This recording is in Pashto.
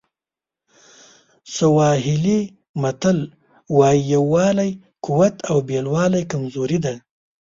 سواهیلي متل وایي یووالی قوت او بېلوالی کمزوري ده.